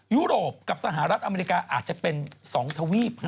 ยุโรปกับสหรัฐอเมริกาอาจจะเป็น๒ทวีป